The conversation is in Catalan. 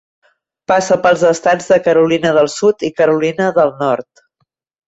Passa pels estats de Carolina del Sud i Carolina del Nord.